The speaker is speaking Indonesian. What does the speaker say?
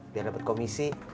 biar dapet komisi